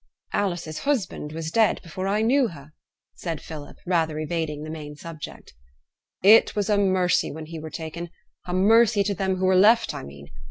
'Alice's husband was dead before I knew her,' said Philip, rather evading the main subject. 'It was a mercy when he were taken. A mercy to them who were left, I mean.